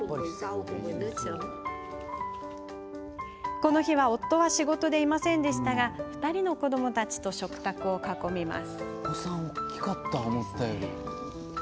この日は夫は仕事でいませんでしたが２人の子どもたちと食卓を囲みます。